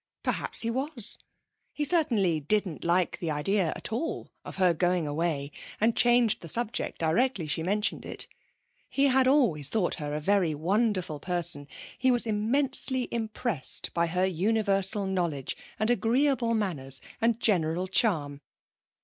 Perhaps he was. He certainly didn't like the idea at all of her going away and changed the subject directly she mentioned it. He had always thought her a very wonderful person. He was immensely impressed by her universal knowledge and agreeable manners and general charm.